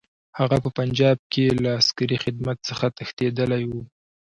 هغه په پنجاب کې له عسکري خدمت څخه تښتېدلی وو.